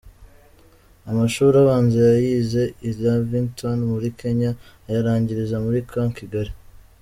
Amashuri abanza yayize i Lavington muri Kenya, ayarangiriza muri Camp Kigali.